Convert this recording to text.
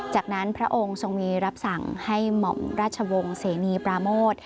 จากนั้นพระองค์ทรงวีรับสั่งให้หม่อมราชวงศ์เสนีปราโมท